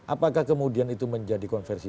apakah kemudian itu menjadi konversi